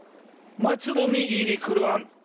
「松の実入り黒あん」。